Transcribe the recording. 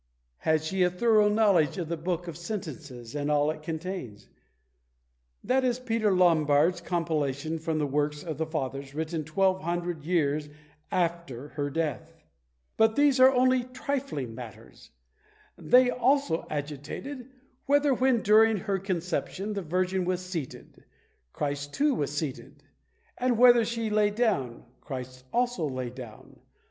Had she a thorough knowledge of the Book of Sentences, and all it contains? that is, Peter Lombard's compilation from the works of the Fathers, written 1200 years after her death. But these are only trifling matters: they also agitated, Whether when during her conception the Virgin was seated, Christ too was seated; and whether when she lay down, Christ also lay down?